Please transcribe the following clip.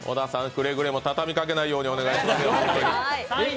くれぐれも畳みかけないようにお願いします。